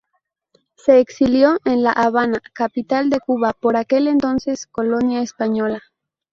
Se exilió en La Habana, capital de Cuba, por aquel entonces, colonia española.